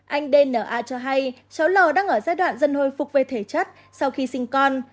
anh dna cho hay cháu l đang ở giai đoạn dần hồi phục về thể chất sau khi sinh con